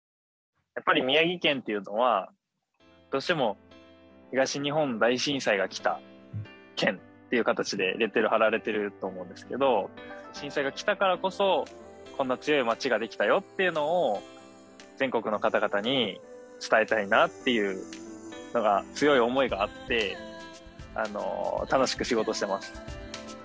やっぱり宮城県っていうのはどうしても東日本大震災が来た県っていう形でレッテル貼られてると思うんですけど震災が来たからこそこんな強い町ができたよっていうのを全国の方々に伝えたいなっていうのが強い思いがあって楽しく仕事してます。